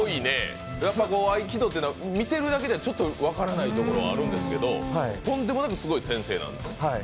合気道というのは見てるだけではちょっと分からないところがあるんですけど、とんでもなくすごい先生なんですね。